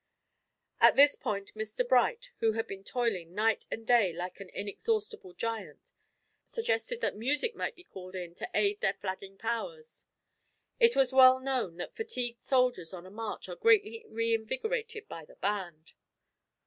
At this point Mr Bright, who had been toiling night and day like an inexhaustible giant, suggested that music might be called in to aid their flagging powers. It was well known that fatigued soldiers on a march are greatly re invigorated by the band.